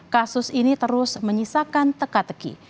kasus ini terus menyisakan teka teki